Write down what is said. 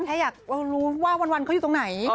แค่อยากรู้ว่าวันเขาอยู่ตรงไหน